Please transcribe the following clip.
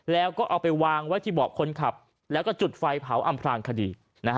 แล้วก็เอาไปวางไว้ที่เบาะคนขับแล้วก็จุดไฟเผาอำพลางคดี